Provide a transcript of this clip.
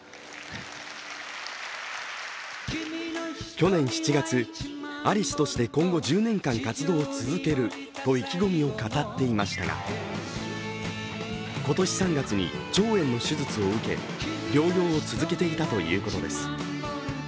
去年７月、アリスとして今後１０年間活動を続けると意気込みを語っていましたが、今年３月に腸炎の手術を受け療養を続けていたということです。